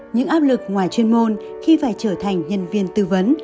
những áp lực ngoài chuyên môn khi phải trở thành nhân viên tư vấn